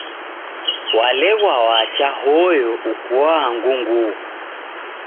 Waleghwa wacha hoyo ukuaa ngughughu.